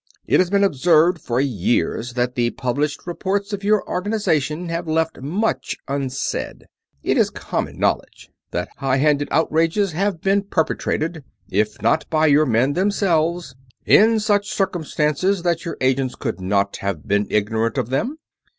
It has been observed for years that the published reports of your organization have left much unsaid. It is common knowledge that high handed outrages have been perpetrated; if not by your men themselves, in such circumstances that your agents could not have been ignorant of them.